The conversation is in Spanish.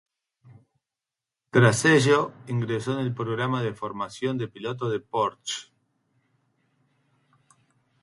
Tras ello, ingresó en el programa de formación de pilotos de Porsche.